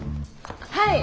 はい。